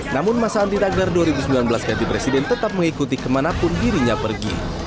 namun masa anti tagar dua ribu sembilan belas ganti presiden tetap mengikuti kemanapun dirinya pergi